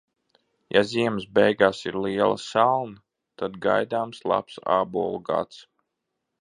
Ja ziemas beigās ir liela salna, tad gaidāms labs ābolu gads.